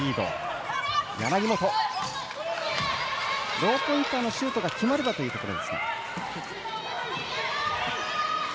ローポインターのシュートが決まればというところ。